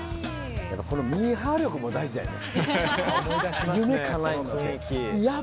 このミーハー力も大事だよね。